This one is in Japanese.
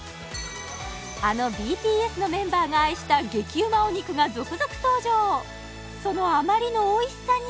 あのＢＴＳのメンバーが愛した激うまお肉が続々登場そのあまりのおいしさに